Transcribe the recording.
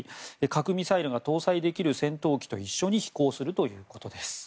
核ミサイルが搭載できる戦闘機と一緒に飛行するということです。